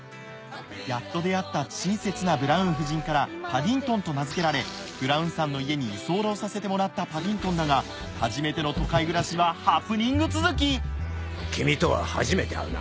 やっと出会った親切なブラウン夫人からパディントンと名付けられブラウンさんの家に居候させてもらったパディントンだが初めての君とは初めて会うな。